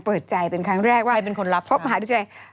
เปิดใจเป็นครั้งแรกว่าเขามาหาที่ใจ